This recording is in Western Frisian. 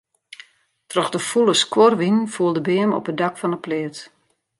Troch de fûle skuorwinen foel de beam op it dak fan 'e pleats.